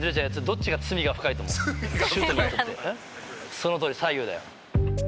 そのとおり左右だよ。